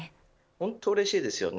本当にうれしいですよね。